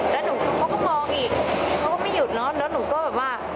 แล้วหนูเขาก็มองอีกเขาก็ไม่หยุดเนอะแล้วหนูก็แบบว่า